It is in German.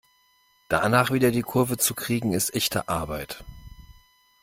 Danach wieder die Kurve zu kriegen ist echte Arbeit!